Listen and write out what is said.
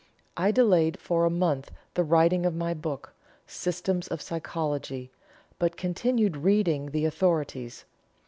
I delayed for a month the writing of my book 'System of Psychology,' but continued reading the authorities.